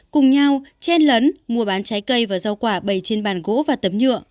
cùng nhau chen lấn mua bán trái cây và rau quả bày trên bàn gỗ và tấm nhựa